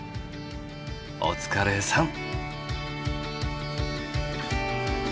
お疲れさん！